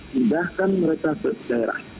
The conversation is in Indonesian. pindahkan mereka ke daerah